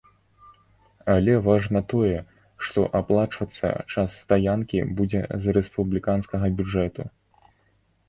Але важна тое, што аплачвацца час стаянкі будзе з рэспубліканскага бюджэту.